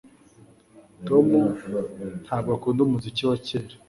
Tom ntabwo akunda umuziki wa kera